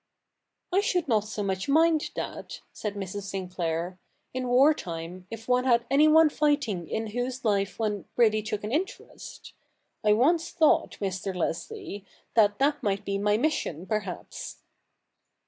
' I should not so much mind that,' said Mrs. Sinclair, ' in war time, if one had anyone fighting in whose life one really took an interest. I once thought, Mr. Leslie, that that might be my mission, perhaps.'